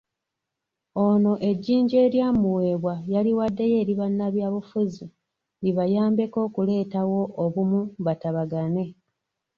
Ono ejjinja eryamuweebwa yaliwaddeyo eri bannabyabufuzi libayambeko okuleetawo obumu batabagane.